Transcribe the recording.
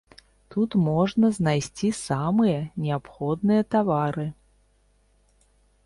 Тут можна знайсці самыя неабходныя тавары.